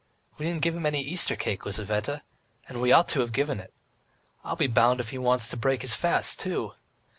We didn't give him any Easter cake, Lizaveta, and we ought to have given it. I'll be bound he wants to break his fast too."